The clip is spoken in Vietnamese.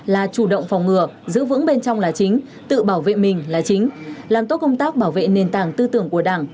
là chủ động phòng ngừa giữ vững bên trong là chính tự bảo vệ mình là chính làm tốt công tác bảo vệ nền tảng tư tưởng của đảng